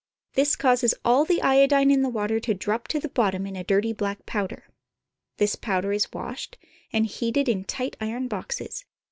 This causes all the iodine in the water to drop to the bottom in a dirty black powder. This powder is washed, and heated in tight iron boxes.